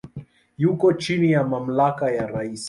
Yuko chini ya mamlaka ya rais.